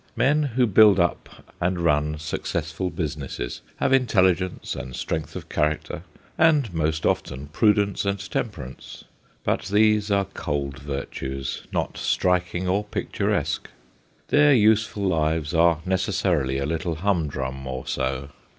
Men who build up and run successful businesses have intelligence and strength of character, and most often prudence and temperance. But these are cold virtues, not striking or picturesque. Their useful lives are necessarily a little humdrum or so.